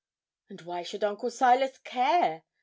'And why should Uncle Silas care?'